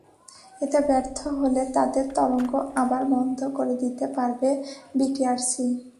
এতে ব্যর্থ হলে তাদের তরঙ্গ আবার বন্ধ করে দিতে পারবে বিটিআরসি।